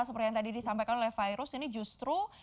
seperti yang tadi disampaikan oleh virus ini justru